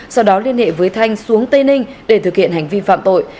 sau đó liên hệ với thanh xuống tây ninh để thực hiện hành vi phạm tội